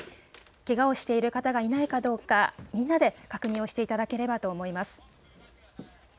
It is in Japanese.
けがをしている方がいないかどうか、みんなで確認をしていただければと思います。